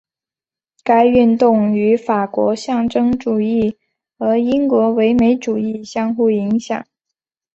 该运动与法国象征主义和英国唯美主义相互影响。